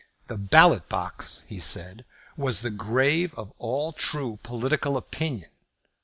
"The ballot box," he said, "was the grave of all true political opinion."